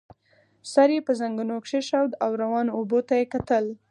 سر يې پر زنګنو کېښود او روانو اوبو ته يې کتل.